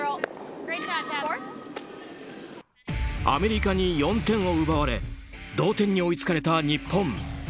アメリカに４点を奪われ同点に追いつかれた日本。